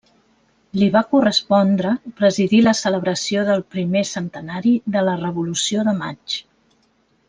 Li va correspondre presidir la celebració del primer centenari de la Revolució de Maig.